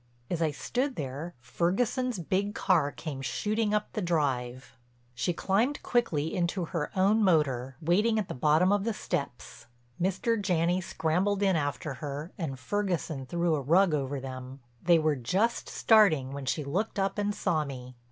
As I stood there Ferguson's big car came shooting up the drive. She climbed quickly into her own motor, waiting at the bottom of the steps, Mr. Janney scrambled in after her and Ferguson threw a rug over them. They were just starting when she looked up and saw me.